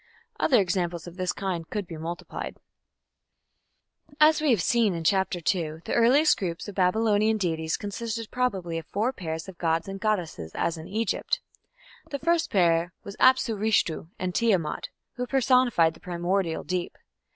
Other examples of this kind could be multiplied. As we have seen (Chapter II) the earliest group of Babylonian deities consisted probably of four pairs of gods and goddesses as in Egypt. The first pair was Apsu Rishtu and Tiamat, who personified the primordial deep.